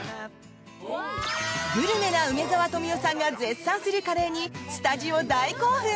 グルメな梅沢富美男さんが絶賛するカレーにスタジオ大興奮！